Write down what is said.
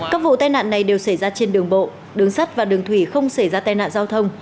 các vụ tai nạn này đều xảy ra trên đường bộ đường sắt và đường thủy không xảy ra tai nạn giao thông